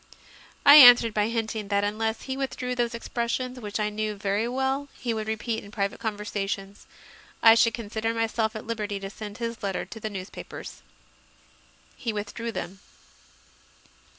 I answered by hinting that unless he withdrew those expressions, which I knew very well he would repeat in private conversations, I should consider myself at liberty to send his letter to the newspapers. He withdrew them.